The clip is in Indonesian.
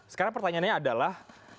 sekarang pertanyaannya adalah